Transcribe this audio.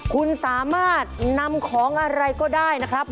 คุณสามารถนำของอะไรก็ได้นะครับ